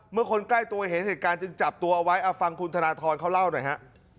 คนใกล้ตัวเห็นเหตุการณ์จึงจับตัวเอาไว้เอาฟังคุณธนทรเขาเล่าหน่อยฮะ